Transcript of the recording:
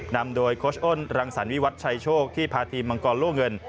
นำโดยโค้ชอ้นรังสรรวิวัตชัยโชคที่พาทีมมังกรโล่เงิน